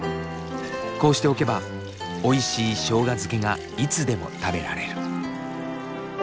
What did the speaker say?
こうしておけばおいしいしょうが漬けがいつでも食べられる。